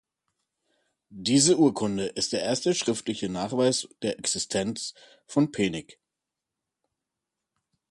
Diese Urkunde ist der erste schriftliche Nachweis der Existenz von Penig.